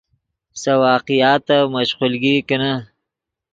سے واقعاتف مشقولگی کینے